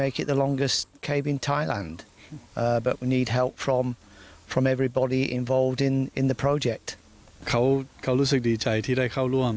เขารู้สึกดีใจที่ได้เข้าร่วม